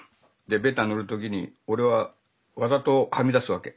でベタ塗る時に俺はわざとはみ出すわけ。